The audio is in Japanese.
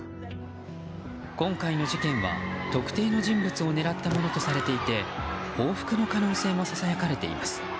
今回の事件は、特定の人物を狙ったものとされていて報復の可能性もささやかれています。